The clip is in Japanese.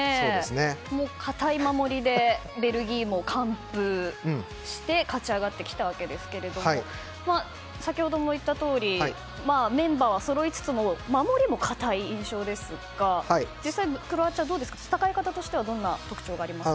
堅い守りでベルギー戦も完封して勝ち上がってきたわけですが先ほども言ったとおりメンバーはそろいつつも守りも堅い印象ですが実際クロアチアは戦い方としてはどういう特徴がありますか？